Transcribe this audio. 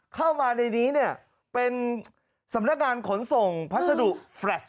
เข้ามาในนี้เนี่ยเป็นสำนักงานขนส่งพัสดุแฟลช